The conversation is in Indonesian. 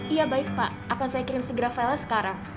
iya baik pak akan saya kirim segera file sekarang